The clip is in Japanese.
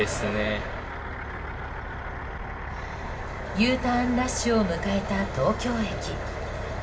Ｕターンラッシュを迎えた東京駅。